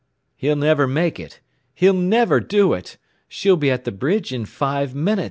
"He'll never do it! He'll never do it! She'll be at the bridge in five minutes!"